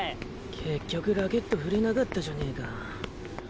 結局ラケット振れなかったじゃねか。